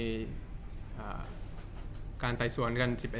จากความไม่เข้าจันทร์ของผู้ใหญ่ของพ่อกับแม่